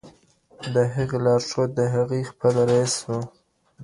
د هغې لارښود د هغې خپل رییس و.